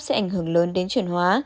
sẽ ảnh hưởng lớn đến truyền hóa